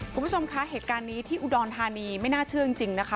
คุณผู้ชมคะเหตุการณ์นี้ที่อุดรธานีไม่น่าเชื่อจริงนะคะ